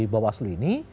bawah selu ini